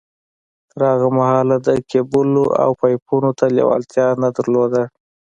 تر هغه مهاله ده کېبلو او پایپونو ته لېوالتیا نه در لوده